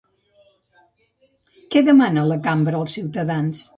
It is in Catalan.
Què demana la cambra als ciutadans?